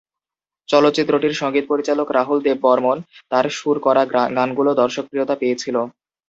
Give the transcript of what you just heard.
চলচ্চিত্রটির সঙ্গীত পরিচালক রাহুল দেব বর্মণ, তার সুর করা গানগুলো দর্শকপ্রিয়তা পেয়েছিলো।